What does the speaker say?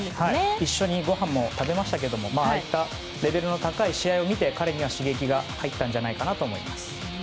一緒にごはんも食べましたがああいったレベルの高い試合を見て彼には刺激が入ったんじゃないかと思います。